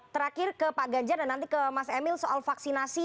terakhir ke pak ganjar dan nanti ke mas emil soal vaksinasi